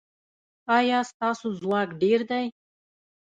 ایا ستاسو ځواک ډیر دی؟